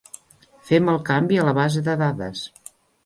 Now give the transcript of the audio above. Fem el canvi a la base de dades.